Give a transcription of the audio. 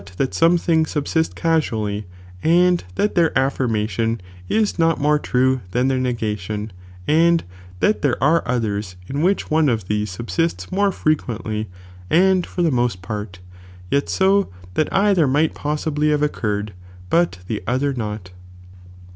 MunyiMngi that Bome tilings subsist casually, and that their J'JJ,,'p™"„ affirmationisnot more true than theirnegntion, and luiticnmunor that there are others in which one of these subsists iion^oi i^^ more Crequcntly, and for the most part,' yet so, that '""■ either might possibly have occurred, but the other not.